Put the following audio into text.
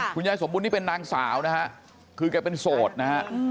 ยายสมบูรณนี่เป็นนางสาวนะฮะคือแกเป็นโสดนะฮะ